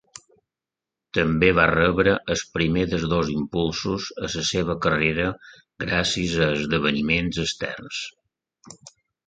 També va rebre el primer dels dos impulsos a la seva carrera gràcies a esdeveniments externs.